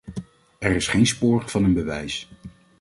Er is geen spoor van een bewijs.